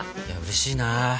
いやうれしいな。